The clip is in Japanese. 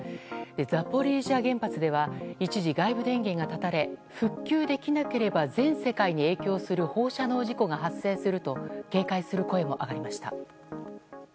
ザポリージャ原発では一時、外部電源が断たれ復旧できなければ全世界に影響する放射能事故が発生すると警戒する声も上がりました。